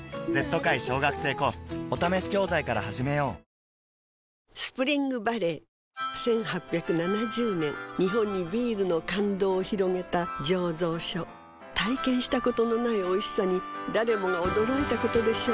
スタントマンがやってますけスプリングバレー１８７０年日本にビールの感動を広げた醸造所体験したことのないおいしさに誰もが驚いたことでしょう